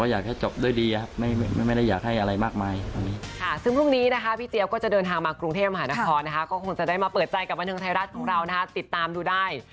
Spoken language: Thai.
มาเปิดใจกับวันเทิงไทยรัฐของเรานะติดตามดูได้